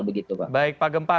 baik pak gempa